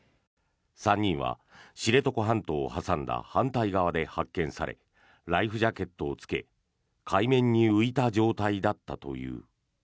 ３人は知床半島を挟んだ反対側で発見されライフジャケットを着け海面に浮いた状態だったという。